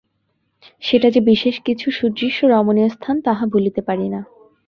সেটা যে বিশেষ কিছু সুদৃশ্য রমণীয় স্থান তাহা বলিতে পারি না।